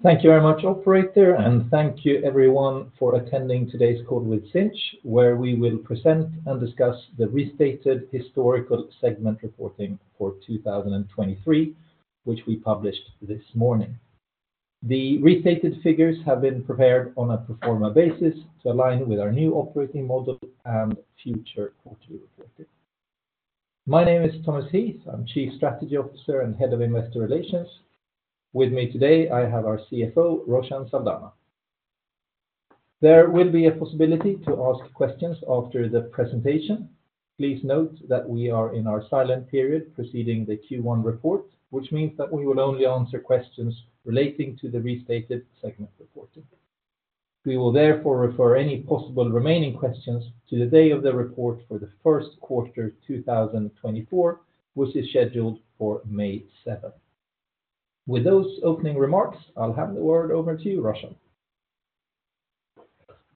Thank you very much, Operator, and thank you, everyone, for attending today's call with Sinch, where we will present and discuss the restated historical segment reporting for 2023, which we published this morning. The restated figures have been prepared on a pro forma basis to align with our new operating model and future quarterly reporting. My name is Thomas Heath. I'm Chief Strategy Officer and Head of Investor Relations. With me today, I have our CFO, Roshan Saldanha. There will be a possibility to ask questions after the presentation. Please note that we are in our silent period preceding the Q1 report, which means that we will only answer questions relating to the restated segment reporting. We will therefore refer any possible remaining questions to the day of the report for the first quarter 2024, which is scheduled for May 7th. With those opening remarks, I'll hand the word over to you, Roshan.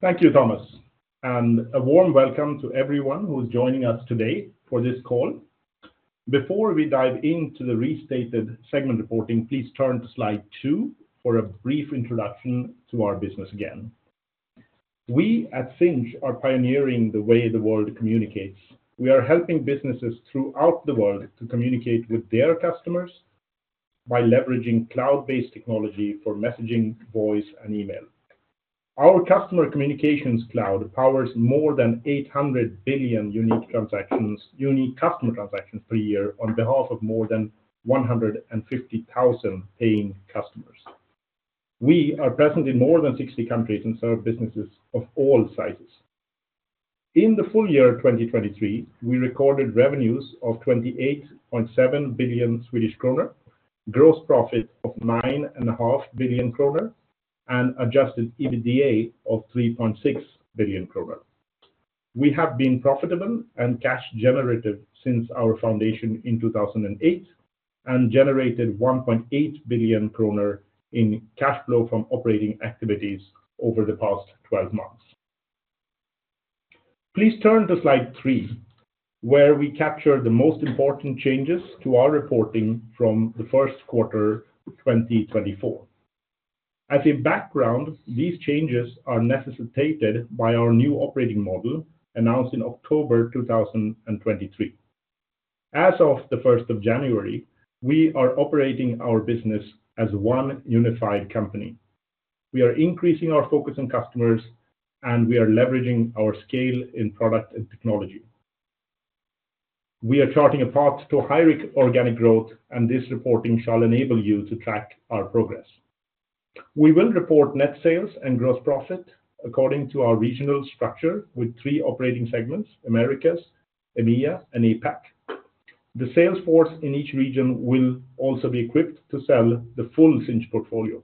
Thank you, Thomas, and a warm welcome to everyone who's joining us today for this call. Before we dive into the restated segment reporting, please turn to slide two for a brief introduction to our business again. We at Sinch are pioneering the way the world communicates. We are helping businesses throughout the world to communicate with their customers by leveraging cloud-based technology for messaging, voice, and email. Our Customer Communications Cloud powers more than 800 billion unique transactions unique customer transactions per year on behalf of more than 150,000 paying customers. We are present in more than 60 countries and serve businesses of all sizes. In the full-year 2023, we recorded revenues of 28.7 billion Swedish kronor, gross profit of 9.5 billion kronor, and Adjusted EBITDA of 3.6 billion kronor. We have been profitable and cash-generative since our foundation in 2008 and generated 1.8 billion kronor in cash flow from operating activities over the past 12 months. Please turn to slide three, where we capture the most important changes to our reporting from the first quarter 2024. As a background, these changes are necessitated by our new operating model announced in October 2023. As of the 1st of January, we are operating our business as one unified company. We are increasing our focus on customers, and we are leveraging our scale in product and technology. We are charting a path to higher organic growth, and this reporting shall enable you to track our progress. We will report net sales and gross profit according to our regional structure with three operating segments: Americas, EMEA, and APAC. The sales force in each region will also be equipped to sell the full Sinch portfolio.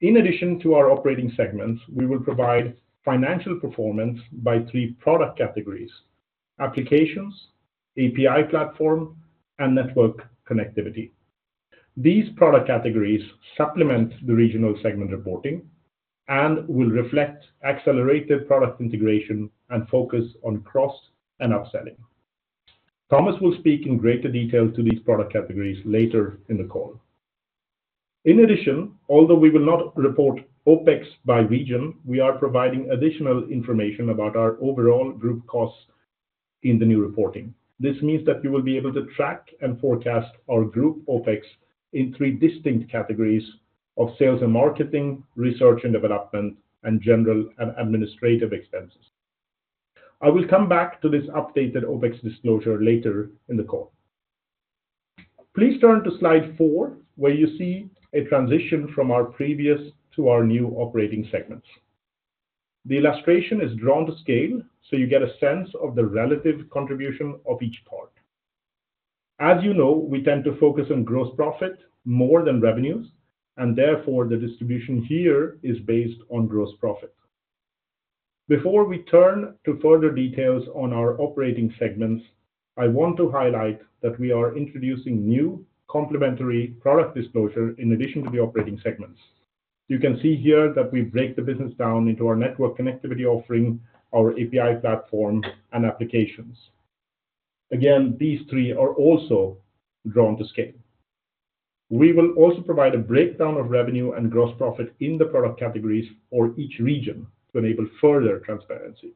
In addition to our operating segments, we will provide financial performance by three product categories: Applications, API Platform, and Network Connectivity. These product categories supplement the regional segment reporting and will reflect accelerated product integration and focus on cost and upselling. Thomas will speak in greater detail to these product categories later in the call. In addition, although we will not report OPEX by region, we are providing additional information about our overall group costs in the new reporting. This means that you will be able to track and forecast our group OPEX in three distinct categories of sales and marketing, research and development, and general and administrative expenses. I will come back to this updated OPEX disclosure later in the call. Please turn to slide four, where you see a transition from our previous to our new operating segments. The illustration is drawn to scale so you get a sense of the relative contribution of each part. As you know, we tend to focus on gross profit more than revenues, and therefore the distribution here is based on gross profit. Before we turn to further details on our operating segments, I want to highlight that we are introducing new complementary product disclosure in addition to the operating segments. You can see here that we break the business down into our Network Connectivity offering, our API Platform, and Applications. Again, these three are also drawn to scale. We will also provide a breakdown of revenue and gross profit in the product categories for each region to enable further transparency.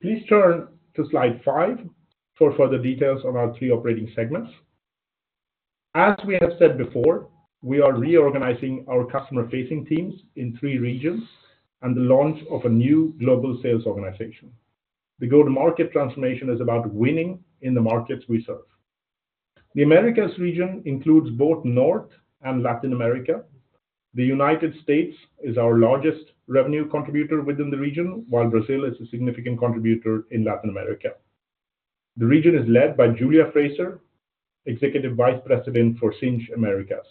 Please turn to slide five for further details on our three operating segments. As we have said before, we are reorganizing our customer-facing teams in three regions and the launch of a new global sales organization. The go-to-market transformation is about winning in the markets we serve. The Americas region includes both North and Latin America. The United States is our largest revenue contributor within the region, while Brazil is a significant contributor in Latin America. The region is led by Julia Fraser, Executive Vice President for Sinch Americas.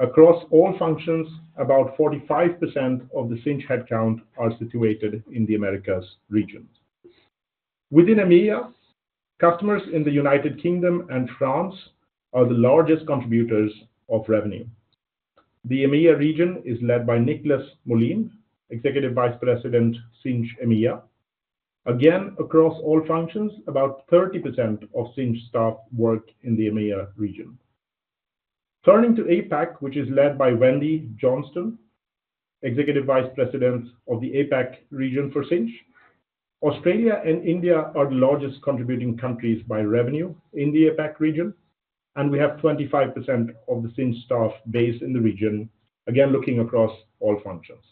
Across all functions, about 45% of the Sinch headcount are situated in the Americas region. Within EMEA, customers in the United Kingdom and France are the largest contributors of revenue. The EMEA region is led by Nicklas Molin, Executive Vice President Sinch EMEA. Again, across all functions, about 30% of Sinch staff work in the EMEA region. Turning to APAC, which is led by Wendy Johnstone, Executive Vice President of the APAC region for Sinch. Australia and India are the largest contributing countries by revenue in the APAC region, and we have 25% of the Sinch staff based in the region, again looking across all functions.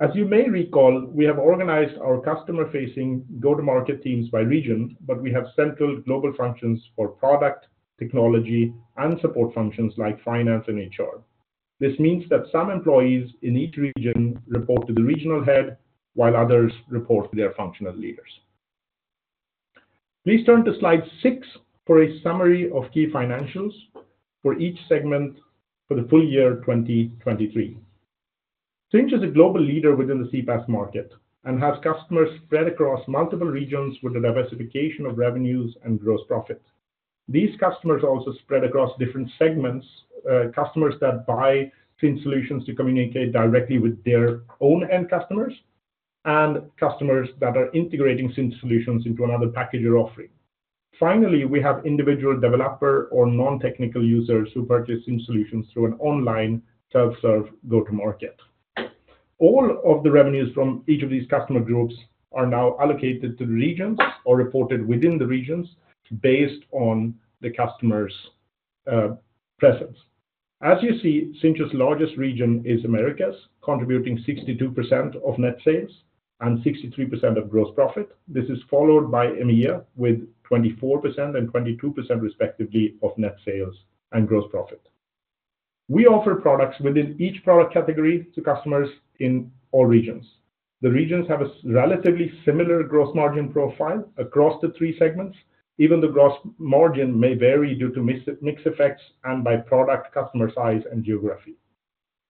As you may recall, we have organized our customer-facing go-to-market teams by region, but we have central global functions for product, technology, and support functions like finance and HR. This means that some employees in each region report to the regional head, while others report to their functional leaders. Please turn to slide six for a summary of key financials for each segment for the full-year 2023. Sinch is a global leader within the CPaaS market and has customers spread across multiple regions with a diversification of revenues and gross profit. These customers also spread across different segments: customers that buy Sinch solutions to communicate directly with their own end customers and customers that are integrating Sinch solutions into another package or offering. Finally, we have individual developer or non-technical users who purchase Sinch solutions through an online self-serve go-to-market. All of the revenues from each of these customer groups are now allocated to the regions or reported within the regions based on the customer's presence. As you see, Sinch's largest region is Americas, contributing 62% of net sales and 63% of gross profit. This is followed by EMEA with 24% and 22% respectively of net sales and gross profit. We offer products within each product category to customers in all regions. The regions have a relatively similar gross margin profile across the three segments. Even the gross margin may vary due to mixed effects and by product, customer size, and geography.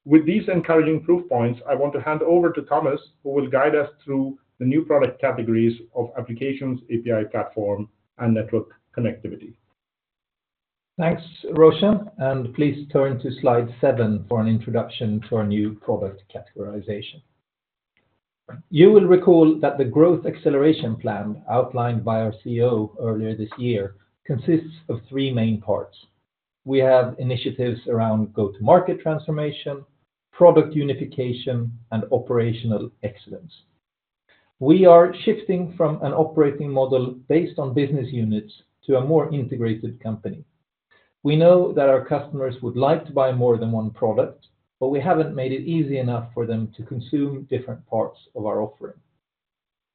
With these encouraging proof points, I want to hand over to Thomas, who will guide us through the new product categories of Applications, API Platform, and Network Connectivity. Thanks, Roshan. Please turn to slide seven for an introduction to our new product categorization. You will recall that the growth acceleration plan outlined by our CEO earlier this year consists of three main parts. We have initiatives around go-to-market transformation, product unification, and operational excellence. We are shifting from an operating model based on business units to a more integrated company. We know that our customers would like to buy more than one product, but we haven't made it easy enough for them to consume different parts of our offering.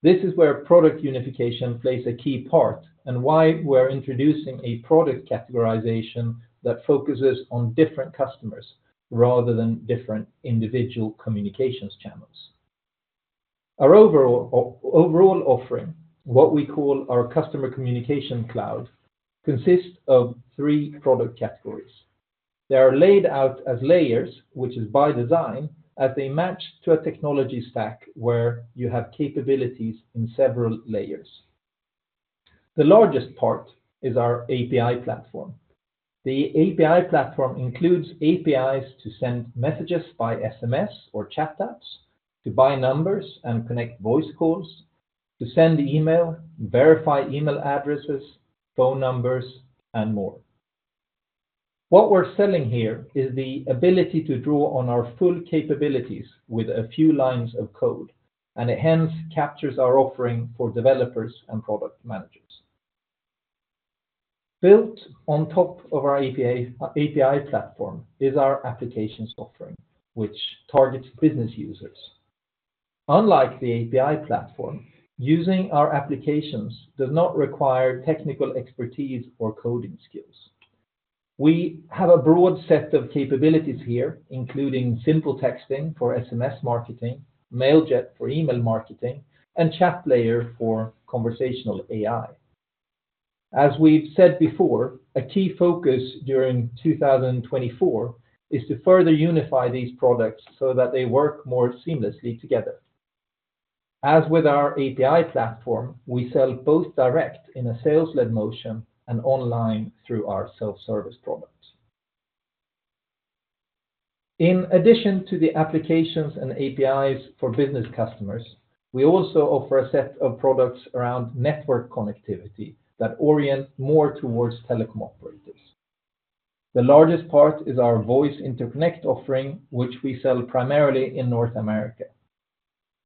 This is where product unification plays a key part and why we're introducing a product categorization that focuses on different customers rather than different individual communications channels. Our overall offering, what we call our Customer Communications Cloud, consists of three product categories. They are laid out as layers, which is by design, as they match to a technology stack where you have capabilities in several layers. The largest part is our API platform. The API platform includes APIs to send messages by SMS or chat apps, to buy numbers and connect voice calls, to send email, verify email addresses, phone numbers, and more. What we're selling here is the ability to draw on our full capabilities with a few lines of code, and it hence captures our offering for developers and product managers. Built on top of our API platform is our applications offering, which targets business users. Unlike the API platform, using our applications does not require technical expertise or coding skills. We have a broad set of capabilities here, including simple texting for SMS marketing, Mailjet for email marketing, and Chatlayer for conversational AI. As we've said before, a key focus during 2024 is to further unify these products so that they work more seamlessly together. As with our API Platform, we sell both direct in a sales-led motion and online through our self-service product. In addition to the Applications and APIs for business customers, we also offer a set of products around Network Connectivity that orient more towards telecom operators. The largest part is our Voice Interconnect offering, which we sell primarily in North America.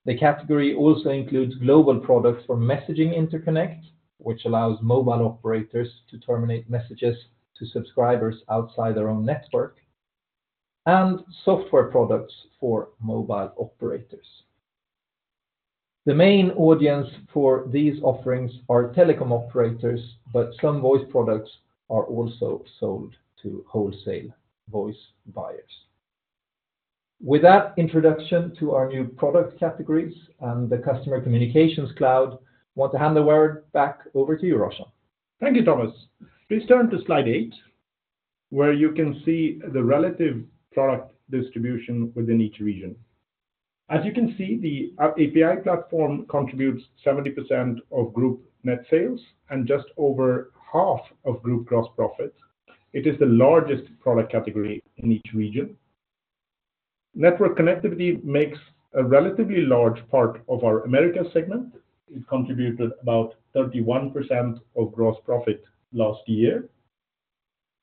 The category also includes global products for messaging interconnects, which allows mobile operators to terminate messages to subscribers outside their own network, and software products for mobile operators. The main audience for these offerings are telecom operators, but some voice products are also sold to wholesale voice buyers. With that introduction to our new product categories and the Customer Communications Cloud, I want to hand the word back over to you, Roshan. Thank you, Thomas. Please turn to slide eight, where you can see the relative product distribution within each region. As you can see, the API Platform contributes 70% of group Net Sales and just over half of group Gross Profit. It is the largest product category in each region. Network Connectivity makes a relatively large part of our Americas segment. It contributed about 31% of Gross Profit last year,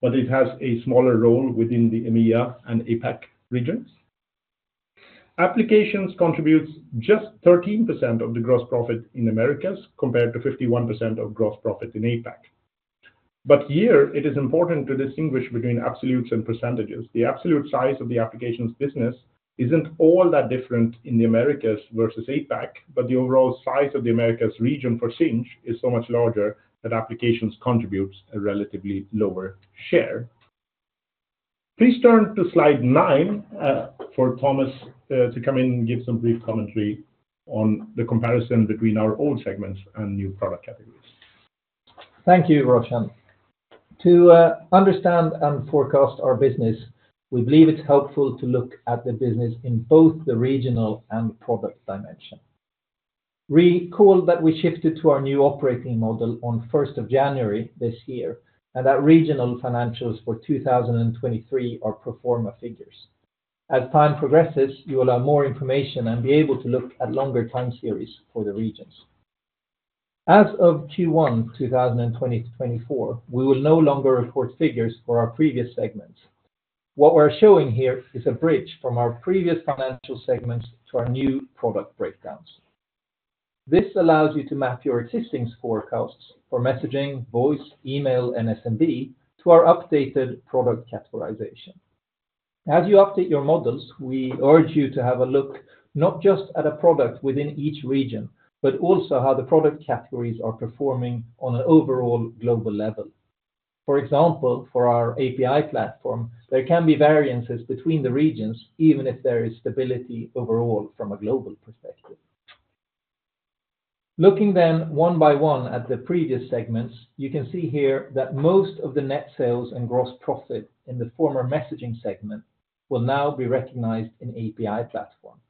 but it has a smaller role within the EMEA and APAC regions. Applications contribute just 13% of the Gross Profit in Americas compared to 51% of Gross Profit in APAC. But here, it is important to distinguish between absolutes and percentages. The absolute size of the Applications business isn't all that different in the Americas versus APAC, but the overall size of the Americas region for Sinch is so much larger that Applications contribute a relatively lower share. Please turn to slide nine for Thomas to come in and give some brief commentary on the comparison between our old segments and new product categories. Thank you, Roshan. To understand and forecast our business, we believe it's helpful to look at the business in both the regional and product dimension. Recall that we shifted to our new operating model on 1st of January this year, and that regional financials for 2023 are pro forma figures. As time progresses, you will have more information and be able to look at longer time series for the regions. As of Q1 2024, we will no longer report figures for our previous segments. What we're showing here is a bridge from our previous financial segments to our new product breakdowns. This allows you to map your existing forecasts for messaging, voice, email, and SMB to our updated product categorization. As you update your models, we urge you to have a look not just at a product within each region, but also how the product categories are performing on an overall global level. For example, for our API Platform, there can be variances between the regions even if there is stability overall from a global perspective. Looking then one by one at the previous segments, you can see here that most of the net sales and gross profit in the former messaging segment will now be recognized in API Platform.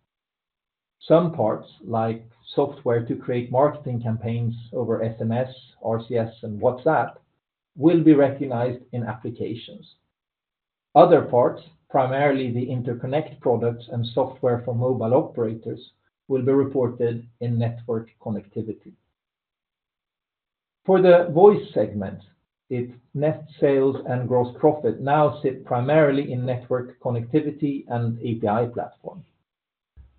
Some parts, like software to create marketing campaigns over SMS, RCS, and WhatsApp, will be recognized in Applications. Other parts, primarily the interconnect products and software for mobile operators, will be reported in Network Connectivity. For the voice segment, its net sales and gross profit now sit primarily in Network Connectivity and API Platform.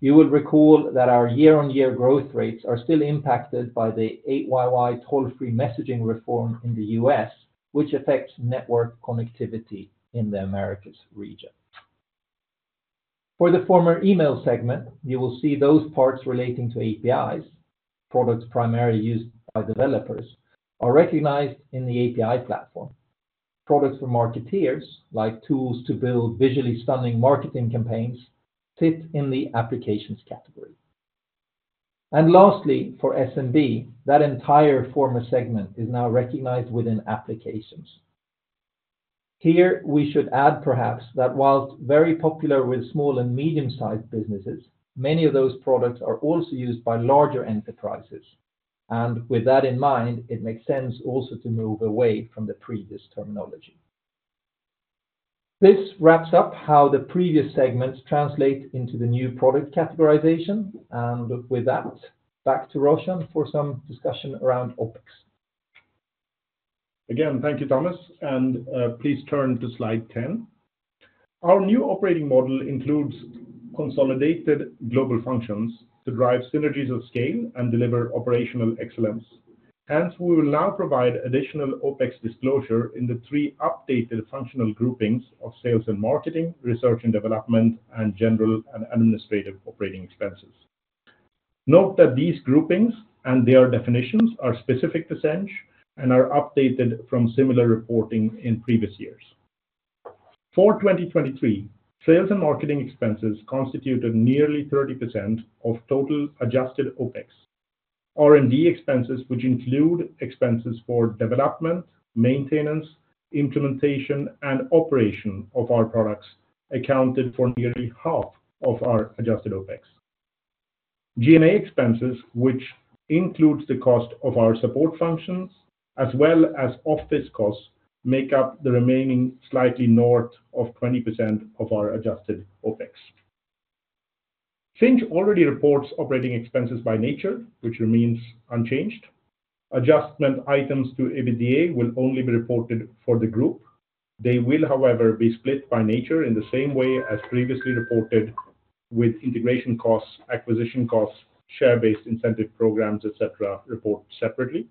You will recall that our year-on-year growth rates are still impacted by the 8YY toll-free messaging reform in the U.S., which affects network connectivity in the Americas region. For the former email segment, you will see those parts relating to APIs, products primarily used by developers, are recognized in the API Platform. Products for marketeers, like tools to build visually stunning marketing campaigns, sit in the Applications category. Lastly, for SMB, that entire former segment is now recognized within Applications. Here, we should add, perhaps, that while very popular with small and medium-sized businesses, many of those products are also used by larger enterprises. With that in mind, it makes sense also to move away from the previous terminology. This wraps up how the previous segments translate into the new product categorization. With that, back to Roshan for some discussion around OPEX. Again, thank you, Thomas. Please turn to slide 10. Our new operating model includes consolidated global functions to drive synergies of scale and deliver operational excellence. Hence, we will now provide additional OPEX disclosure in the three updated functional groupings of sales and marketing, research and development, and general and administrative operating expenses. Note that these groupings and their definitions are specific to Sinch and are updated from similar reporting in previous years. For 2023, sales and marketing expenses constituted nearly 30% of total adjusted OPEX. R&D expenses, which include expenses for development, maintenance, implementation, and operation of our products, accounted for nearly half of our adjusted OPEX. G&A expenses, which include the cost of our support functions as well as office costs, make up the remaining slightly north of 20% of our adjusted OPEX. Sinch already reports operating expenses by nature, which remains unchanged. Adjustment items to EBITDA will only be reported for the group. They will, however, be split by nature in the same way as previously reported, with integration costs, acquisition costs, share-based incentive programs, et cetera, reported separately.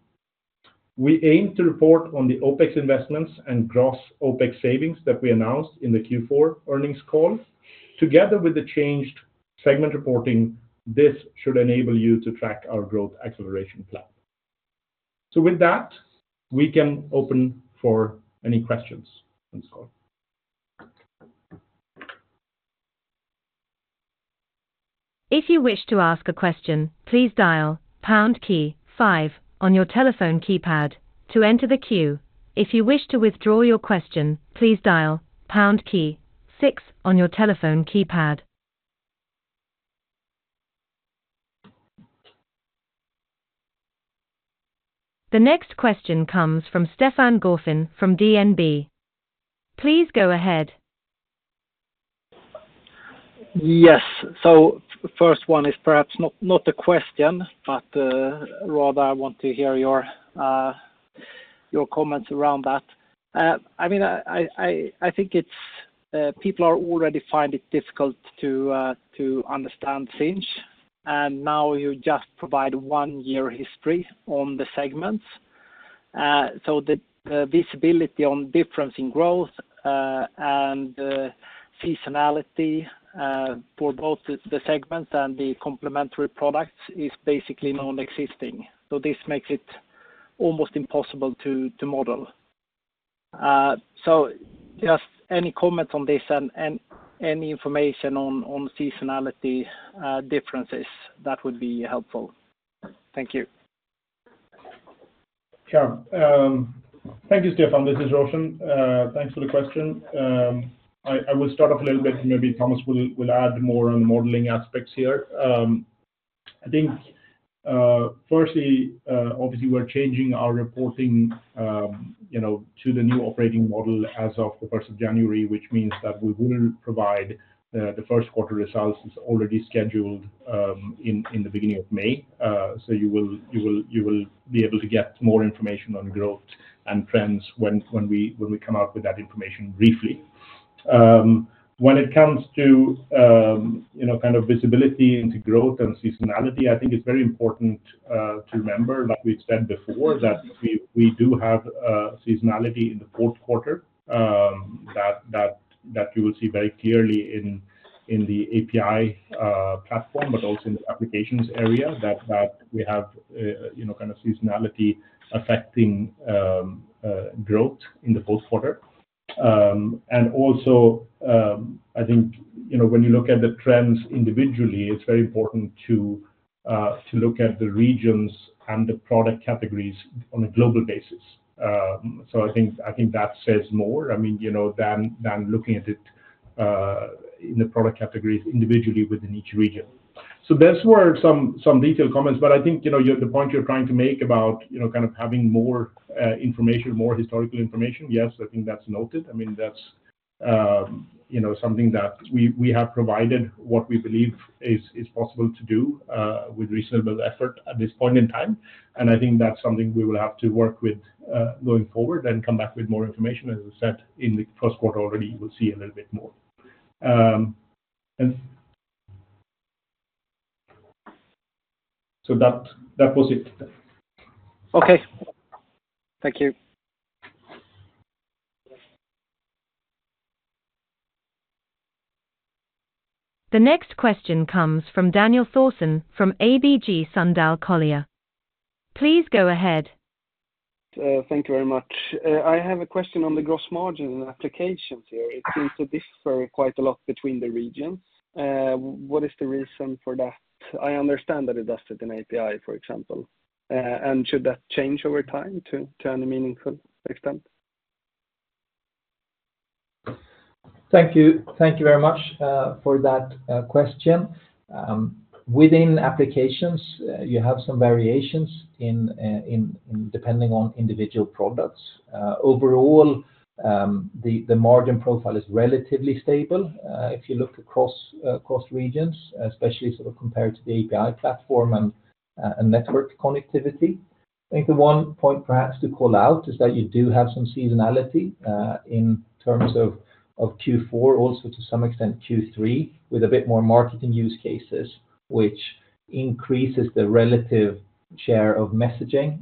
We aim to report on the OPEX investments and gross OPEX savings that we announced in the Q4 earnings call. Together with the changed segment reporting, this should enable you to track our growth acceleration plan. So with that, we can open for any questions on this call. If you wish to ask a question, please dial pound key five on your telephone keypad to enter the queue. If you wish to withdraw your question, please dial pound key six on your telephone keypad. The next question comes from Stefan Gauffin from DNB. Please go ahead. Yes. So first one is perhaps not the question, but rather I want to hear your comments around that. I mean, I think people already find it difficult to understand Sinch, and now you just provide one-year history on the segments. So the visibility on difference in growth and seasonality for both the segments and the complementary products is basically non-existing. So this makes it almost impossible to model. So just any comments on this and any information on seasonality differences, that would be helpful. Thank you. Sure. Thank you, Stefan. This is Roshan. Thanks for the question. I will start off a little bit. Maybe Thomas will add more on the modeling aspects here. I think, firstly, obviously, we're changing our reporting to the new operating model as of the 1st of January, which means that we will provide the first quarter results already scheduled in the beginning of May. So you will be able to get more information on growth and trends when we come out with that information briefly. When it comes to kind of visibility into growth and seasonality, I think it's very important to remember, like we've said before, that we do have seasonality in the fourth quarter that you will see very clearly in the API platform, but also in the applications area that we have kind of seasonality affecting growth in the fourth quarter. And also, I think when you look at the trends individually, it's very important to look at the regions and the product categories on a global basis. So I think that says more than looking at it in the product categories individually within each region. So those were some detailed comments. But I think the point you're trying to make about kind of having more information, more historical information, yes, I think that's noted. I mean, that's something that we have provided what we believe is possible to do with reasonable effort at this point in time. And I think that's something we will have to work with going forward and come back with more information. As I said, in the first quarter already, you will see a little bit more. So that was it. Okay. Thank you. The next question comes from Daniel Thorsson from ABG Sundal Collier. Please go ahead. Thank you very much. I have a question on the gross margin and applications here. It seems to differ quite a lot between the regions. What is the reason for that? I understand that it does it in API, for example. Should that change over time to any meaningful extent? Thank you very much for that question. Within applications, you have some variations depending on individual products. Overall, the margin profile is relatively stable if you look across regions, especially sort of compared to the API platform and network connectivity. I think the one point perhaps to call out is that you do have some seasonality in terms of Q4, also to some extent Q3, with a bit more marketing use cases, which increases the relative share of messaging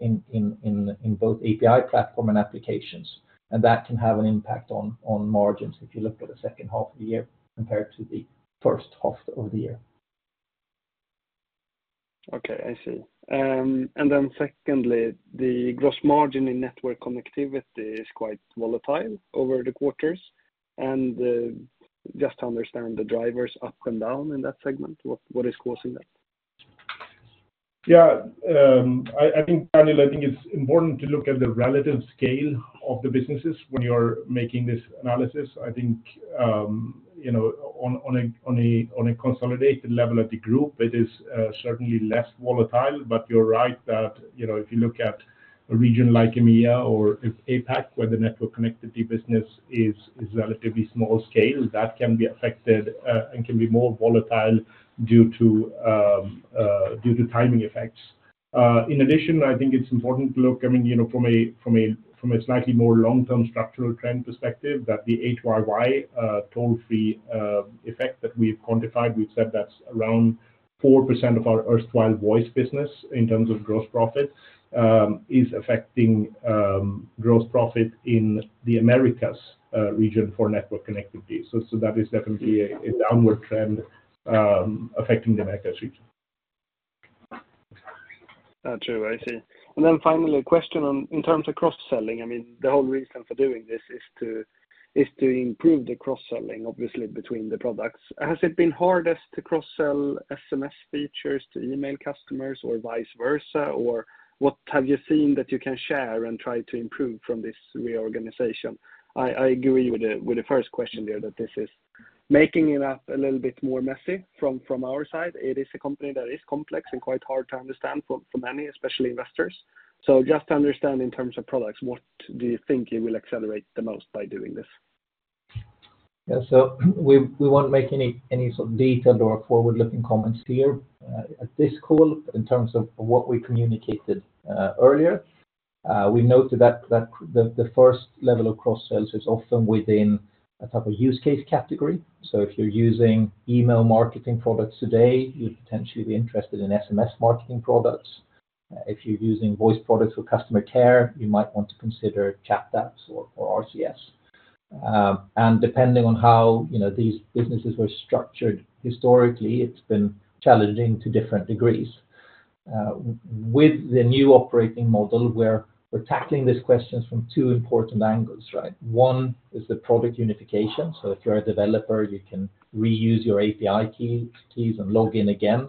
in both API platform and applications. And that can have an impact on margins if you look at the second half of the year compared to the first half of the year. Okay. I see. Then, secondly, the gross margin in Network Connectivity is quite volatile over the quarters. Just to understand the drivers up and down in that segment, what is causing that? Yeah. I think, Daniel, I think it's important to look at the relative scale of the businesses when you're making this analysis. I think on a consolidated level at the group, it is certainly less volatile. But you're right that if you look at a region like EMEA or APAC, where the network connectivity business is relatively small-scale, that can be affected and can be more volatile due to timing effects. In addition, I think it's important to look, I mean, from a slightly more long-term structural trend perspective, that the 8YY toll-free effect that we've quantified, we've said that's around 4% of our worldwide voice business in terms of gross profit, is affecting gross profit in the Americas region for network connectivity. So that is definitely a downward trend affecting the Americas region. That's true. I see. And then finally, a question in terms of cross-selling. I mean, the whole reason for doing this is to improve the cross-selling, obviously, between the products. Has it been hardest to cross-sell SMS features to email customers or vice versa? Or what have you seen that you can share and try to improve from this reorganization? I agree with the first question here that this is making it a little bit more messy from our side. It is a company that is complex and quite hard to understand for many, especially investors. So just to understand in terms of products, what do you think you will accelerate the most by doing this? Yeah. So we won't make any sort of detailed or forward-looking comments here at this call in terms of what we communicated earlier. We've noted that the first level of cross-sales is often within a type of use case category. So if you're using email marketing products today, you'd potentially be interested in SMS marketing products. If you're using voice products for customer care, you might want to consider chat apps or RCS. And depending on how these businesses were structured historically, it's been challenging to different degrees. With the new operating model, we're tackling these questions from two important angles, right? One is the product unification. So if you're a developer, you can reuse your API keys and log in again.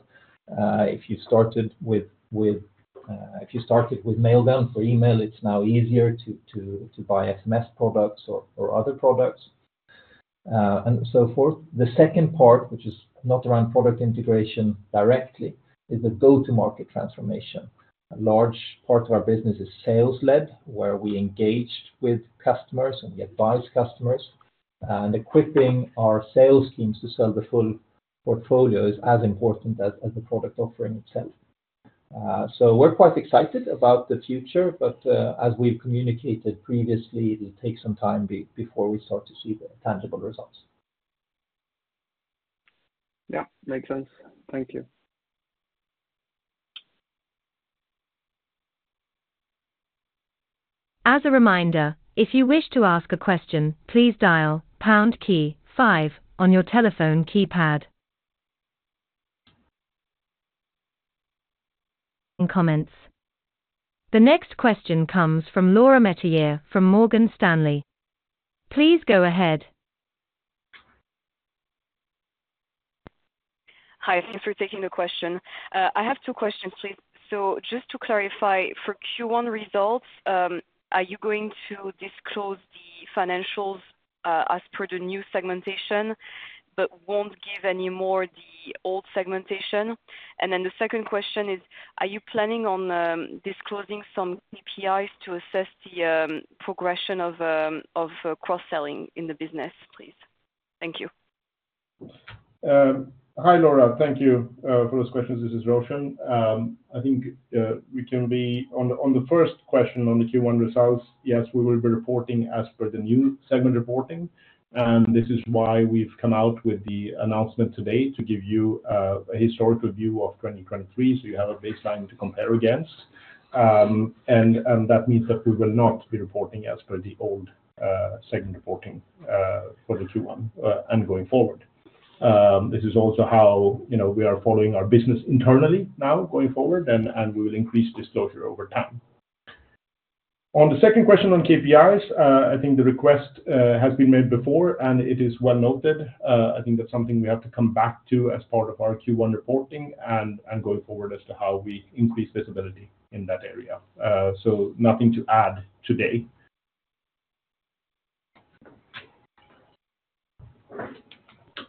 If you started with Mailgun for email, it's now easier to buy SMS products or other products. And so for the second part, which is not around product integration directly, is the go-to-market transformation. A large part of our business is sales-led, where we engage with customers and we advise customers. And equipping our sales teams to sell the full portfolio is as important as the product offering itself. So we're quite excited about the future. But as we've communicated previously, it'll take some time before we start to see tangible results. Yeah. Makes sense. Thank you. As a reminder, if you wish to ask a question, please dial pound key five on your telephone keypad. The next question comes from Laura Metayer from Morgan Stanley. Please go ahead. Hi. Thanks for taking the question. I have two questions, please. Just to clarify, for Q1 results, are you going to disclose the financials as per the new segmentation but won't give anymore the old segmentation? Then the second question is, are you planning on disclosing some KPIs to assess the progression of cross-selling in the business, please? Thank you. Hi, Laura. Thank you for those questions. This is Roshan. I think we can be on the first question on the Q1 results. Yes, we will be reporting as per the new segment reporting. And this is why we've come out with the announcement today to give you a historical view of 2023 so you have a baseline to compare against. And that means that we will not be reporting as per the old segment reporting for the Q1 and going forward. This is also how we are following our business internally now going forward, and we will increase disclosure over time. On the second question on KPIs, I think the request has been made before, and it is well noted. I think that's something we have to come back to as part of our Q1 reporting and going forward as to how we increase visibility in that area. Nothing to add today.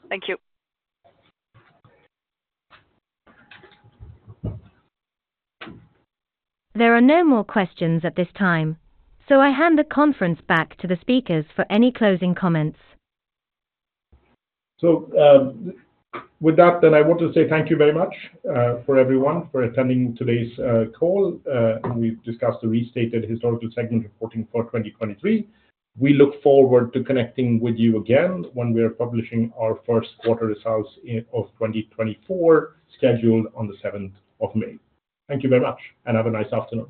Thank you. There are no more questions at this time, so I hand the conference back to the speakers for any closing comments. So with that, then I want to say thank you very much for everyone for attending today's call. We've discussed the restated historical segment reporting for 2023. We look forward to connecting with you again when we are publishing our first quarter results of 2024 scheduled on the 7th of May. Thank you very much, and have a nice afternoon.